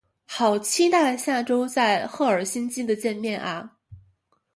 好期待下周在赫尔辛基的见面啊